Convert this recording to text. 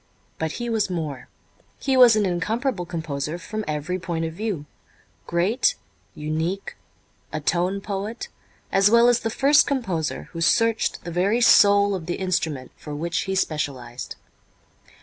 But he was more. He was an incomparable composer from every point of view, great, unique, a tone poet, as well as the first composer who searched the very soul of the instrument for which he specialized.